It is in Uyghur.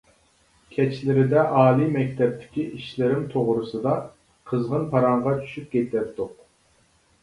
كەچلىرىدە ئالىي مەكتەپتىكى ئىشلىرىم توغرىسىدا قىزغىن پاراڭغا چۈشۈپ كېتەتتۇق.